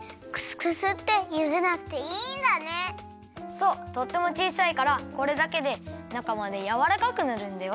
そうとってもちいさいからこれだけでなかまでやわらかくなるんだよ。